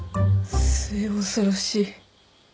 末恐ろしい。